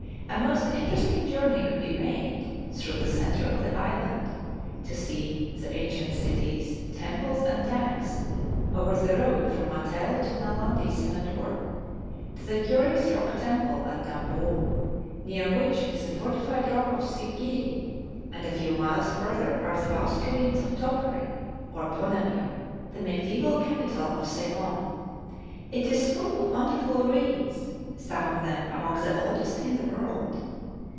A most interesting journey could be made through the centre of the island to see the ancient cities, temples, and tanks, over the road from Matelle to Nalandi Senadoora, to the curious rock temple at Dambool, near which is the fortified rock of Sigiri, and a few miles further are the vast ruins of Topari, or Ponamira, the mediæval capital of Ceylon. It is full of wonderful ruins, some of them among the oldest in the world.